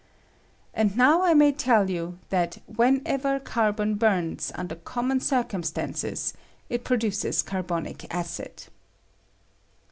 And now I may tell you, that whenever carbon burns under common circumstances it produces car tonic acid.